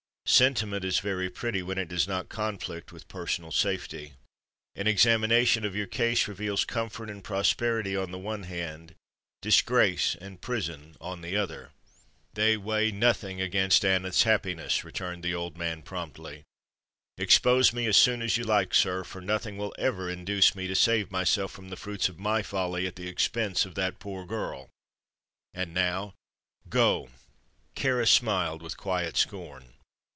"Sentiment is very pretty when it does not conflict with personal safety. An examination of your case reveals comfort and prosperity on the one hand, disgrace and prison on the other." "They weigh nothing against Aneth's happiness," returned the old man, promptly. "Expose me as soon as you like, sir, for nothing will ever induce me to save myself from the fruits of my folly at the expense of that poor girl. And now, go!" Kāra smiled with quiet scorn.